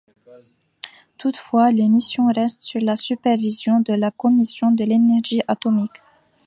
Toutefois, les missions restent sur la supervision de la commission de l'énergie atomique.